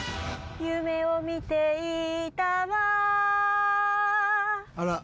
「夢を見ていたわ」